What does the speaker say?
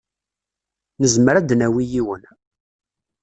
Nezmer ad d-nawi yiwen.